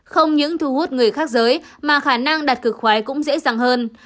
không những thu hút người khác giới mà khả năng đặt cược khoái cũng dễ dàng hơn